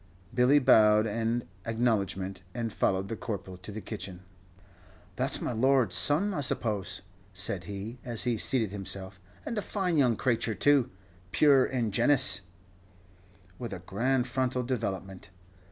Billy bowed an acknowledgment, and followed the Corporal to the kitchen. "That's my lord's son, I suppose," said he, as he seated himself, "and a fine young crayture too puer ingenuus, with a grand frontal development."